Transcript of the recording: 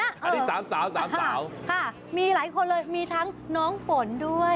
อันนี้สามสาวสามสาวค่ะมีหลายคนเลยมีทั้งน้องฝนด้วย